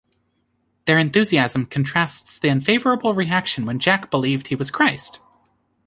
Their enthusiasm contrasts the unfavorable reaction when Jack believed he was Christ.